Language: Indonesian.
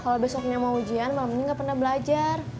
kalau besoknya mau ujian malam ini nggak pernah belajar